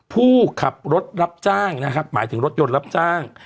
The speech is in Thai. ผู้ขับรถรับจ้างนะครับหมายถึงรถยนต์รับจ้าง